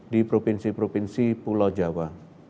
di provinsi provinsi pulau jawa